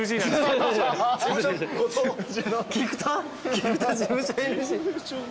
菊田事務所ＮＧ？